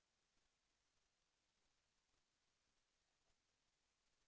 แสวได้ไงของเราก็เชียนนักอยู่ค่ะเป็นผู้ร่วมงานที่ดีมาก